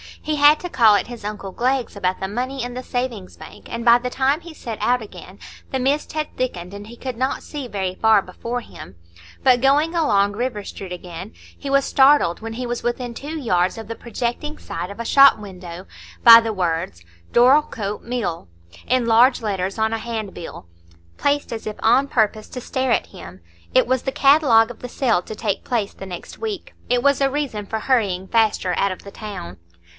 He had to call at his uncle Glegg's about the money in the Savings Bank, and by the time he set out again the mist had thickened, and he could not see very far before him; but going along River Street again, he was startled, when he was within two yards of the projecting side of a shop window, by the words "Dorlcote Mill" in large letters on a hand bill, placed as if on purpose to stare at him. It was the catalogue of the sale to take place the next week; it was a reason for hurrying faster out of the town.